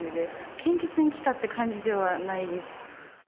献血に来たっていう感じではないです。